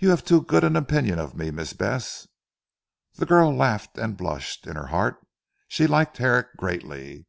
"You have too good an opinion of me, Miss Bess." The girl laughed, and blushed. In her heart she liked Herrick greatly.